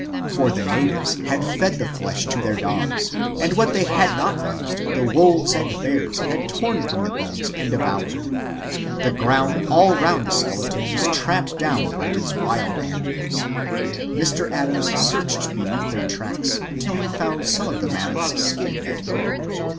For the natives had fed the flesh to their dogs and what they had not used the wolves and bears had torn from the bones and devoured. The ground all round the skeleton was tramped down by these wild animals. Mr. Adams searched beneath their tracks until he found some of the Mammoth's skin and hair.